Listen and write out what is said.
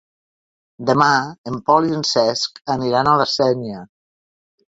Demà en Pol i en Cesc aniran a la Sénia.